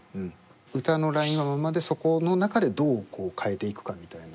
歌のラインはまんまでそこの中でどうこう変えていくかみたいな。